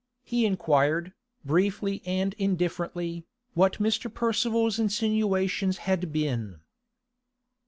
He inquired, briefly and indifferently, what Mr. Percival's insinuations had been.